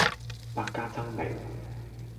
百家爭鳴